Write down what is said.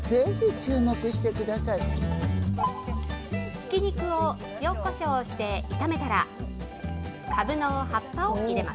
ひき肉を塩コショウして炒めたら、かぶの葉っぱを入れます。